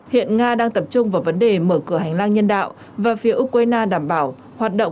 hiện nga đang tập trung vào vấn đề mở cửa hành lang nhân đạo và phía ukraine đảm bảo hoạt động